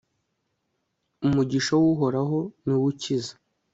umugisha w'uhoraho ni wo ukiza